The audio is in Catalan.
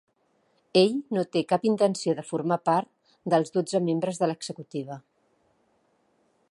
Ell no té cap intenció de formar part dels dotze membres de l’executiva.